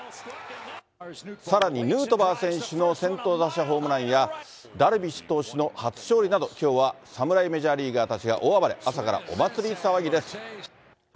さらにヌートバー選手の先頭打者ホームランや、ダルビッシュ投手の初勝利など、きょうは侍メジャーリーガーたちが大暴れ、朝からお祭り騒ぎです。